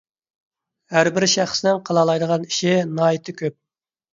ھەربىر شەخسنىڭ قىلالايدىغان ئىشى ناھايىتى كۆپ.